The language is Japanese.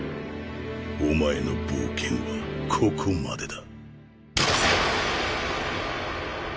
お前の冒険はここまでだ。